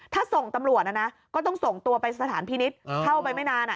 ถ้าส่งตำรวจนะนะก็ต้องส่งตัวไปสถานพินิษฐ์เข้าไปไม่นาน